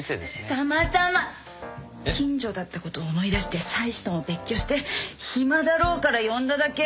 たまたま近所だったこと思い出して妻子とも別居して暇だろうから呼んだだけ。